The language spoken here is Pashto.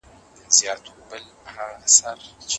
ایا په راتلونکي کال کې به نوي ښوونځي پرانیستل شي؟